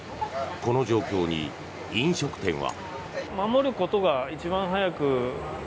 この状況に飲食店は。